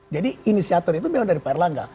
jadi inisiator itu memang dari pak erlangga